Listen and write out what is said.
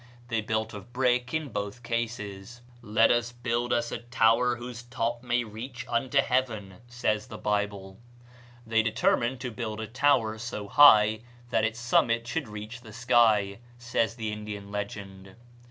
They built of brick in both cases. "Let us build us a tower whose top may reach unto heaven," says the Bible. "They determined to build a tower so high that its summit should reach the sky," says the Indian legend.